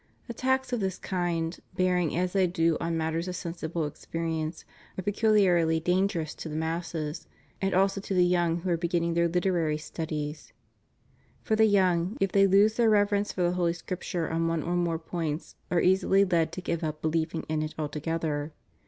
At tacks of this kind, bearing as they do on matters of sensible experience, are peculiarly dangerous to the masses, and also to the young who are beginning their literary studies; for the young, if they lose their reverence for the Holy Scripture on one or more points, are easily led to give up believing in it altogether.